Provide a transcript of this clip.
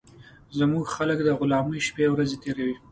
زموږ خلک د غلامۍ شپې ورځي تېروي